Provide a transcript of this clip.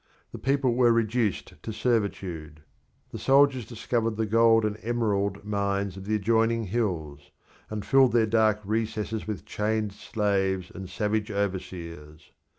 The people were reduced to servitude. The soldiers discovered the gold and emerald mines of the adjoining hills, and filled their dark recesses with chained slaves and savage overseers.